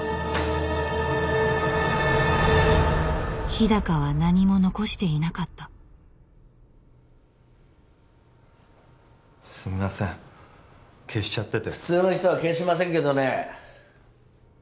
日高は何も残していなかったすみません消しちゃってて普通の人は消しませんけどね